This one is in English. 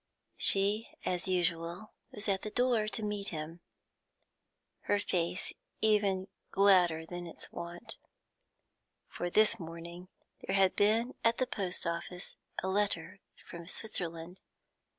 She, as usual, was at the door to meet him, her face even ladder than its wont, for this morning there had been at the post office a letter from Switzerland.